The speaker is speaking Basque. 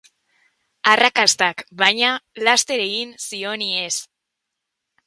Arrakastak, baina, laster egin zion ihes.